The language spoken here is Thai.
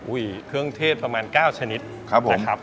อุ้ยเครื่องเทศประมาณ๙ชนิดนะครับ